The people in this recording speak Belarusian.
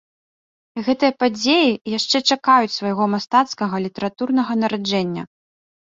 Гэтыя падзеі яшчэ чакаюць свайго мастацкага літаратурнага нараджэння.